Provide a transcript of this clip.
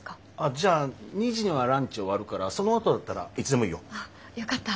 じゃあ２時にはランチ終わるからそのあとだったらいつでもいいよ。よかった。